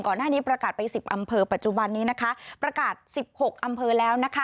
ก่อนหน้านี้ประกาศไป๑๐อำเภอปัจจุบันนี้ประกาศ๑๖อำเภอแล้ว